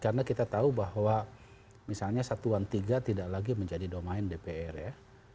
karena kita tahu bahwa misalnya satuan tiga tidak lagi menjadi domain dpr ya